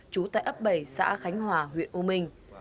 trú tại ấp bảy xã khánh hòa huyện âu minh